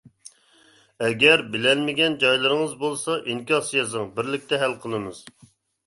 ئەگەر، بىلەلمىگەن جايلىرىڭىز بولسا، ئىنكاس يېزىڭ، بىرلىكتە ھەل قىلىمىز.